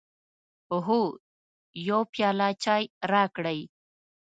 هو، یو پیاله چای راکړئ